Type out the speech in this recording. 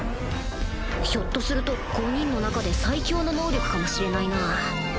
ひょっとすると５人の中で最強の能力かもしれないなぁ